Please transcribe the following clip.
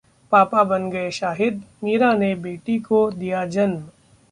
पापा बन गए शाहिद, मीरा ने बेटी को दिया जन्म...